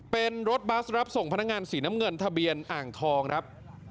เป็นรถบัสรับส่งพนักงานสีน้ำเงินทะเบียนอ่างทองครับ